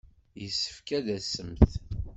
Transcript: Yessefk ad d-tasemt.